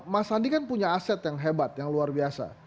mas sandi kan punya aset yang hebat yang luar biasa